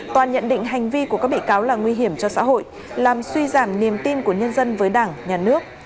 toàn nhận định hành vi của các bị cáo là nguy hiểm cho xã hội làm suy giảm niềm tin của nhân dân với đảng nhà nước